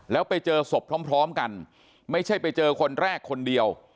แล้วไปเจอศพพร้อมกันไม่ใช่ไปเจอคนแรกคนเดียว